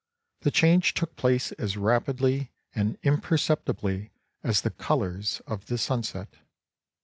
The change took place as rapidly and imperceptibly as the colors of the sunset.